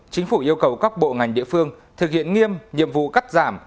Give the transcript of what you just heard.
chính phủ yêu cầu các bộ ngành địa phương thực hiện nghiêm nhiệm vụ cắt giảm